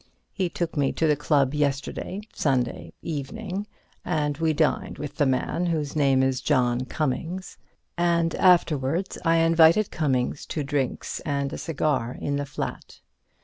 He took me to the club yesterday (Sunday) evening, and we dined with the man, whose name is John Cummings, and afterwards I invited Cummings to drinks and a cigar in the flat.